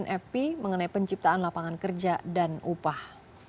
nfp mengenai penciptaan lapangan kerja dan upah